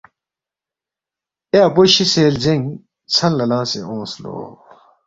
اَے اپو شیسے لزینگ ژھن لا لنگسے اونگس لو۔